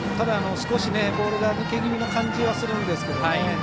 少しボールが抜け気味な感じがするんですよね。